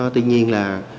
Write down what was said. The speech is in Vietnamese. tuy nhiên là